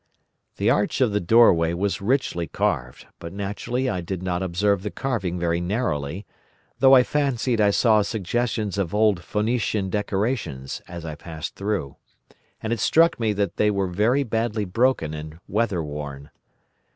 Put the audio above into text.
"The arch of the doorway was richly carved, but naturally I did not observe the carving very narrowly, though I fancied I saw suggestions of old Phœnician decorations as I passed through, and it struck me that they were very badly broken and weather worn.